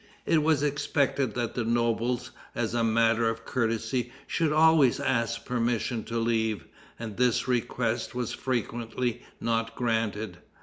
It was expected that the nobles, as a matter of courtesy, should always ask permission to leave, and this request was frequently not granted.